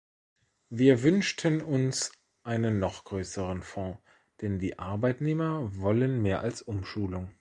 Wir wünschten uns einen noch größeren Fonds, denn die Arbeitnehmer wollen mehr als Umschulung.